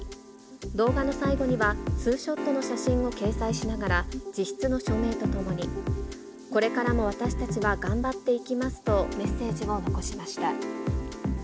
動画の最後にはツーショットの写真を掲載しながら、自筆の署名と共に、これからも私たちは頑張っていきますと、メッセージを残しました。